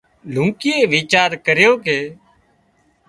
لونڪيئي ويچار ڪريو ڪي